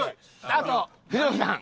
あと藤本さん